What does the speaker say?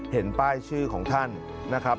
เห็นป้ายชื่อของท่านนะครับ